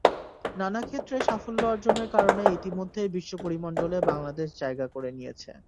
নানা ক্ষেত্রে সাফল্য অর্জনের কারণে ইতিমধ্যেই বিশ্বপরিমণ্ডলে বাংলাদেশ জায়গা করে নিয়েছে।